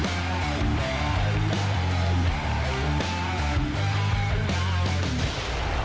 เหี้ยเห้ย